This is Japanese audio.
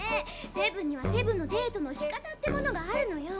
セブンにはセブンのデートのしかたってものがあるのよ。